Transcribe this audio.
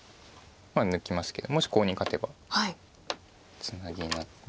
抜きますけどもしコウに勝てばツナギになって。